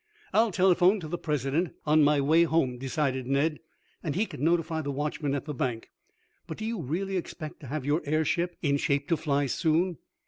"I'll telephone to the president on my way home," decided Ned, "and he can notify the watchman at the bank. But do you really expect to have your airship in shape to fly soon?"